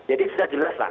jadi sudah jelas lah